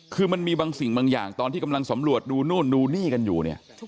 คือมันมีบางสิ่งบางอย่างตอนที่กำลังสำรวจดูนู่นดูนี่กันอยู่เนี่ย